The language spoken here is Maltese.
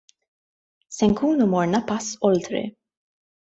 Se nkunu morna pass oltre.